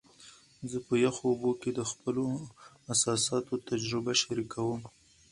زه په یخو اوبو کې د خپلو احساساتو تجربه شریکوم.